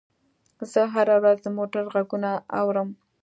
زه هره ورځ د موټر غږونه اورم.